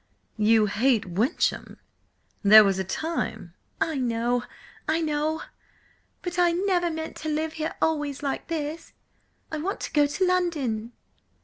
"You hate Wyncham? There was a time—" "I know, I know! But I never meant to live here always like this! I want to go to London!"